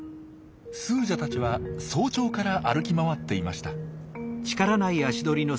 スージャたちは早朝から歩き回っていました。